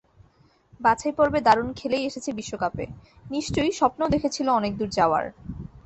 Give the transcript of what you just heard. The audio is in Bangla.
বাছাইপর্বে দারুণ খেলেই এসেছে বিশ্বকাপে, নিশ্চয়ই স্বপ্নও দেখছিল অনেক দূর যাওয়ার।